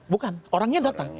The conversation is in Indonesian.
bukan orangnya datang